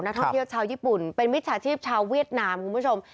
ท่องเที่ยวชาวญี่ปุ่นเป็นมิจฉาชีพชาวเวียดนามคุณผู้ชม